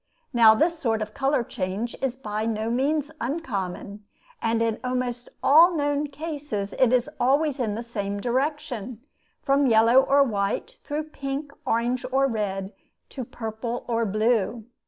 Now, this sort of color change is by no means uncommon; and in almost all known cases it is always in the same direction, from yellow or white, through pink, orange, or red, to purple or blue.